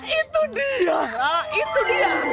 itu dia itu dia